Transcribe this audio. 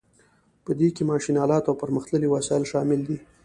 په دې کې ماشین الات او پرمختللي وسایل شامل دي.